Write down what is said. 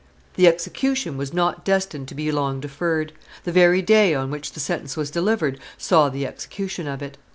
The execution was not destined to be long deferred; the very day on which the sentence was delivered saw the execution of it.